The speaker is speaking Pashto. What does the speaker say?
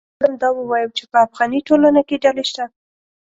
زه غواړم دا ووایم چې په افغاني ټولنه کې ډلې شته